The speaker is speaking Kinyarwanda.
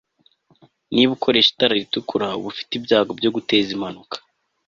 niba ukoresha itara ritukura, uba ufite ibyago byo guteza impanuka